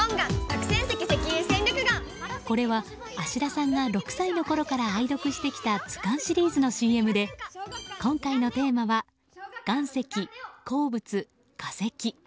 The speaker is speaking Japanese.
これは、芦田さんが６歳のころから愛読してきた図鑑シリーズのＣＭで今回のテーマは岩石・鉱物・化石。